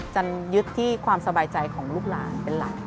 จันยึดที่ความสบายใจของลูกหลานเป็นหลัก